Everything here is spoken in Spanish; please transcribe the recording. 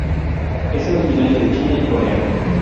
Es originaria de China y Corea.